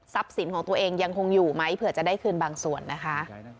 สินของตัวเองยังคงอยู่ไหมเผื่อจะได้คืนบางส่วนนะคะ